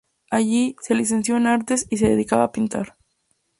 Allí se licenció en artes y se dedicaba a pintar.